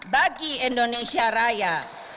bagi indonesia raya